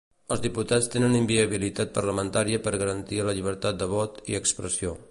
Els diputats tenen inviabilitat parlamentària per garantir la llibertat de vot i expressió.